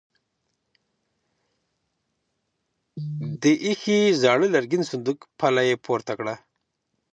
د ايښې زاړه لرګين صندوق پله يې پورته کړه.